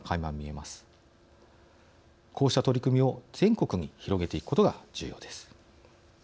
こうした取り組みを全国に広げていくことが重要です。